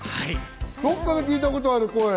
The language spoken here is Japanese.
どっかで聞いたことある声。